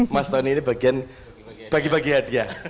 mas tony ini bagian bagi bagian